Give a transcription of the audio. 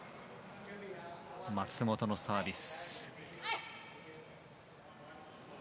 松本のサービス。